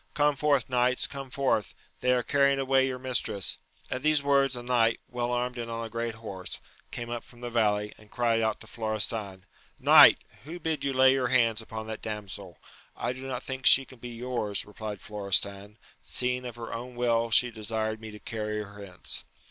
Come forth, knights, come forth ! they are carrying away your mistress ! At these words a knight, well armed and on a great horse, came up from the valley, and cried out to Florestan, Knight ! who bid you lay your hands upon that damsel % I do not think she can be yours^ replied Florestan, seeing of her own will she desired me to carry her hence.